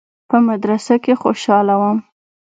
په مدرسه کښې خوشاله وم.